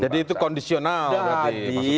jadi itu kondisional jadi